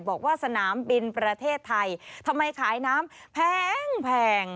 บอกว่าสนามบินประเทศไทยทำไมขายน้ำแพง